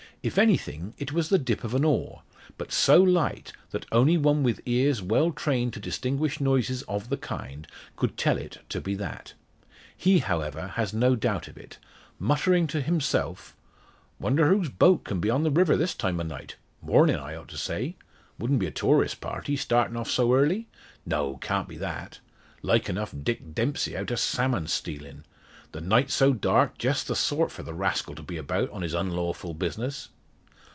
If anything, it was the dip of an oar; but so light that only one with ears well trained to distinguish noises of the kind could tell it to be that. He, however, has no doubt of it, muttering to himself "Wonder whose boat can be on the river this time o' night mornin', I ought to say? Wouldn't be a tourist party starting off so early? No, can't be that. Like enough Dick Dempsey out a salmon stealin'! The night so dark just the sort for the rascal to be about on his unlawful business."